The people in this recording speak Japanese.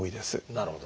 なるほど。